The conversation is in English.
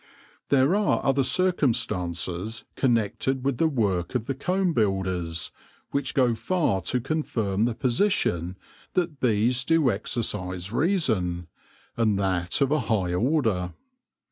There are other circumstances connected with the work of the comb builders which go far to confirm the position that bees do exercise reason, and that of a high order.